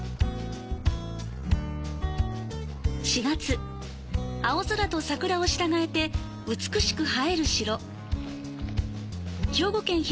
４月、青空と桜を従えて、美しく映える城。